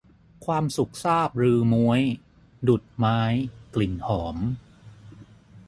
ความสุขซาบฤๅม้วย ดุจไม้กลิ่นหอม